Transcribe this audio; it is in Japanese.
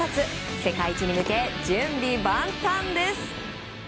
世界一に向け、準備万端です。